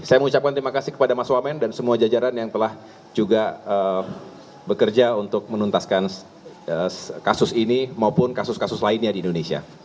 saya mengucapkan terima kasih kepada mas wamen dan semua jajaran yang telah juga bekerja untuk menuntaskan kasus ini maupun kasus kasus lainnya di indonesia